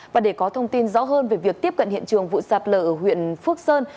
và để có thông tin rõ hơn về việc tiếp cận hiện trường vụ sạt lở ở huyện phước sơn